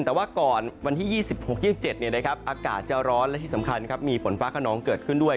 แต่ว่าก่อนวันที่๒๖๒๗อากาศจะร้อนและที่สำคัญมีฝนฟ้าขนองเกิดขึ้นด้วย